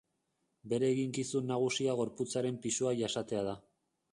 Bere eginkizun nagusia gorputzaren pisua jasatea da.